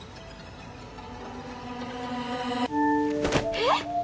えっ？